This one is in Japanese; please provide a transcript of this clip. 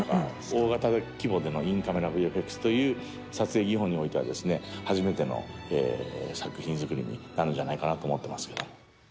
大型規模でのインカメラＶＦＸという撮影技法においては初めての作品作りになるんじゃないかなと思っています。